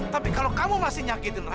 tapi kalau kamu masih nyakitin